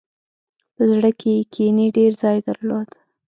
په زړه کې یې کینې ډېر ځای درلود.